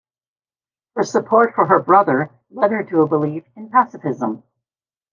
Her support for her brother led her to a belief in pacifism.